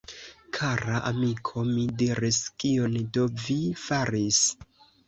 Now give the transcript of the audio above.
Kara amiko! mi diris, kion do vi faris!?